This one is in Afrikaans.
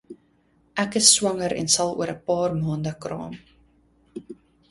Ek is swanger en sal oor 'n paar maande kraam.